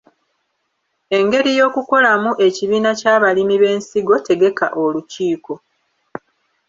Engeri y’okukolamu ekibiina ky’abalimi b’ensigo Tegeka olukiiko.